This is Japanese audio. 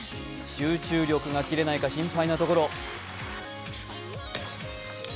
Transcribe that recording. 集中力が切れないか心配なところ。